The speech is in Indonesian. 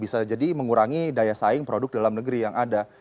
bisa jadi mengurangi daya saing produk dalam negeri yang ada